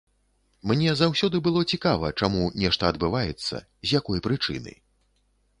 Мне заўсёды было цікава, чаму нешта адбываецца, з якой прычыны.